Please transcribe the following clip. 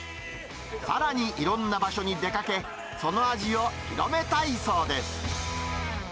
さらにいろんな場所に出かけ、その味を広めたいそうです。